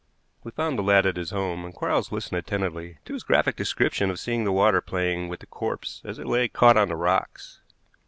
We found the lad at his home, and Quarles listened attentively to his graphic description of seeing the water playing with the corpse as it lay caught on the rocks.